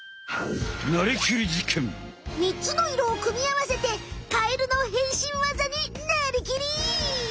３つの色をくみあわせてカエルの変身技になりきり！